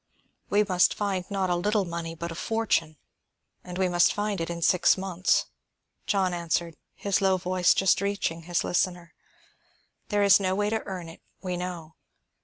"We must find not a little money, but a fortune, and we must find it in six months," John answered, his low voice just reaching his listener. "There is no way to earn it, we know.